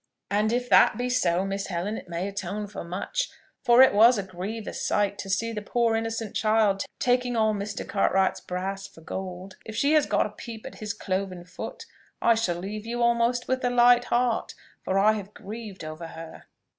"And if that be so, Miss Helen, it may atone for much; for it was a grievous sight to see the poor innocent child taking all Mr. Cartwright's brass for gold. If she has got a peep at his cloven foot, I shall leave you almost with a light heart for I have grieved over her."